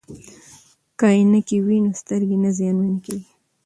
که عینکې وي نو سترګې نه زیانمن کیږي.